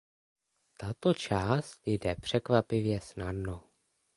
Tato část jde překvapivě snadno.